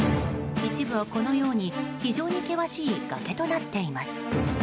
一部はこのように非常に険しい崖となっています。